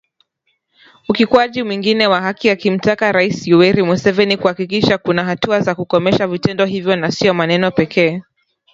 Ukiukwaji mwingine wa haki akimtaka Rais Yoweri Museveni kuhakikisha kuna hatua za kukomesha vitendo hivyo na sio maneno pekee